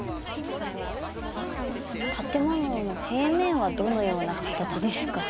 「建物の平面はどのような形ですか？」。